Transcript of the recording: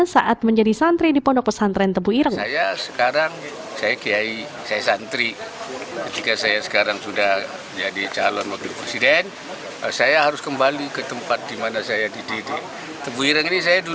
saat menjadi santri di pondok pesantren tebuireng